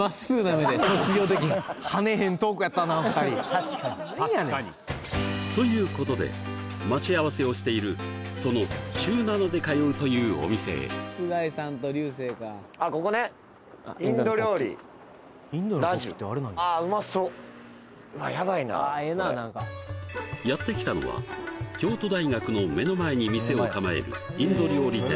確かに確かにということで待ち合わせをしているその週７で通うというお店へああやって来たのは京都大学の目の前に店を構えるインド料理店